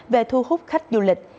về thu hút khách du lịch